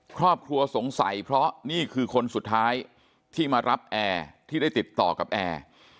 ครอบครัวสงสัยเพราะนี่คือคนสุดท้ายที่มารับแอร์ที่ได้ติดต่อกับแอร์